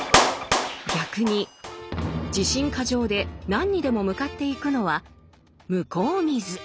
逆に自信過剰で何にでも向かっていくのは「向こう見ず」。